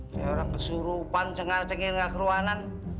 seorang kesurupan cengar cengir nggak keruanan